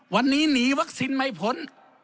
วันนี้หนีวัคซีนไม่พ้น